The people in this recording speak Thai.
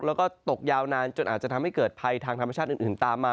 แล้วก็ตกยาวนานจนอาจจะทำให้เกิดภัยทางธรรมชาติอื่นตามมา